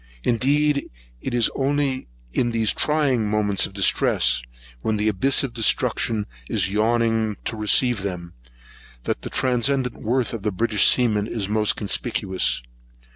Indeed it is only in these trying moments of distress, when the abyss of destruction is yawning to receive them, that the transcendent worth of a British seaman is most conspicuous.